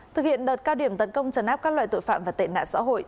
thực hiện đợt cao điểm tấn công trấn áp các loại tội phạm và tệ nạn xã hội